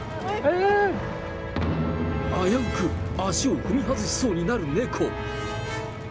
危うく足を踏み外しそうになる猫。